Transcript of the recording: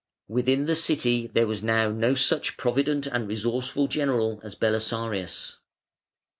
Within the City there was now no such provident and resourceful general as Belisarius.